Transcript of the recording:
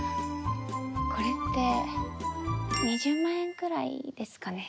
これって２０万円くらいですかね。